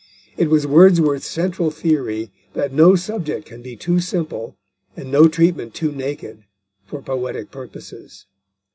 It was Wordsworth's central theory that no subject can be too simple and no treatment too naked for poetic purposes.